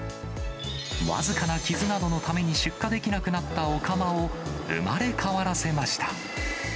僅かな傷などのために出荷できなくなったお釜を、生まれ変わらせました。